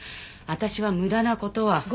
私は無駄な事は。